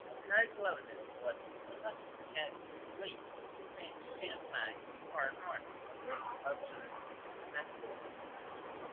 Her cleverness was not characteristically feminine nor his obtuseness masculine.